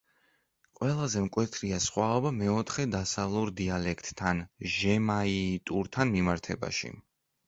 ყველაზე მკვეთრია სხვაობა მეოთხე დასავლურ დიალექტთან–ჟემაიიტურთან მიმართებაში.